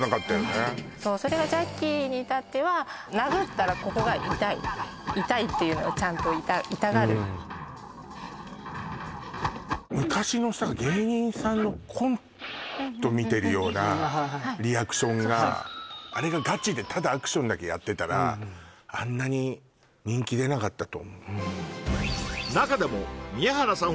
それがジャッキーにいたっては殴ったらここが痛い痛いっていうのをちゃんと痛がる見てるようなリアクションがあれがガチでただアクションだけやってたらあんなに人気出なかったと思う中でも宮原さん